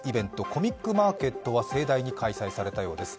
コミックマーケットは盛大に開催されたようです。